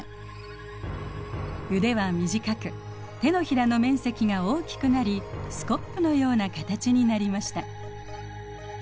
腕は短く手のひらの面積が大きくなりスコップのような形になりました。